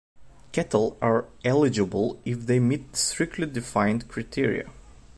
Cattle are eligible if they meet strictly-defined criteria.